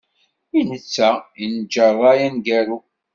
I netta i neǧǧa rray aneggaru.